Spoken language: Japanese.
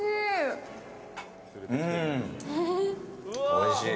おいしい。